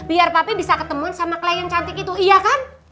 biar papi bisa ketemu sama klien cantik itu iya kan